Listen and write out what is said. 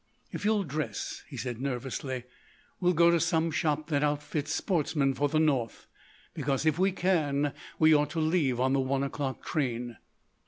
"If you'll dress," he said nervously, "we'll go to some shop that outfits sportsmen for the North. Because, if we can, we ought to leave on the one o'clock train."